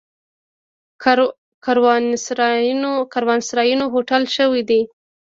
کاروانسرایونه هوټل شوي دي.